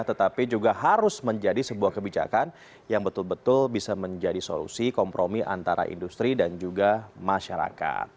tetapi juga harus menjadi sebuah kebijakan yang betul betul bisa menjadi solusi kompromi antara industri dan juga masyarakat